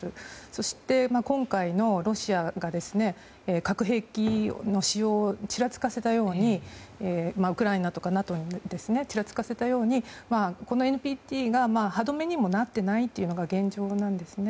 そして、今回ロシアが核兵器の使用をウクライナとかＮＡＴＯにちらつかせたようにこのＮＰＴが歯止めにもなっていないというのが現状なんですね。